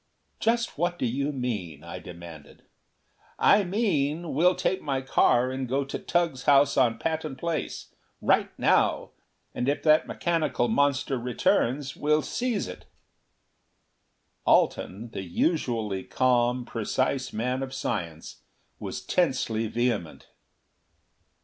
"Just what do you mean?" I demanded. "I mean, we'll take my car and go to Tugh's house on Patton Place. Right now! And if that mechanical monster returns, we'll seize it!" Alten, the usually calm, precise man of science, was tensely vehement.